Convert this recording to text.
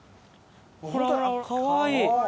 ほらほらかわいい。